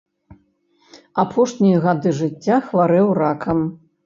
Апошнія гады жыцця хварэў ракам.